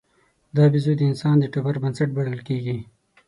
دا بیزو د انسان د ټبر بنسټ بلل کېږي.